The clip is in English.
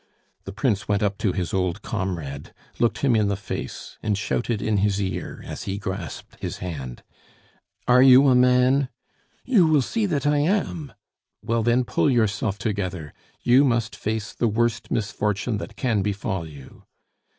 The Prince went up to his old comrade, looked him in the face, and shouted in his ear as he grasped his hand: "Are you a man?" "You will see that I am." "Well, then, pull yourself together! You must face the worst misfortune that can befall you."